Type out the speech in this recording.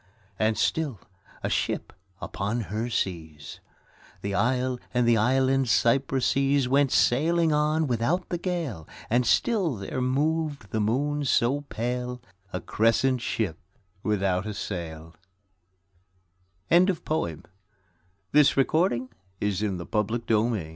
And still, a ship upon her seas. The isle and the island cypresses Went sailing on without the gale : And still there moved the moon so pale, A crescent ship without a sail ' I7S Oak and Olive \ Though I was born a Londoner, A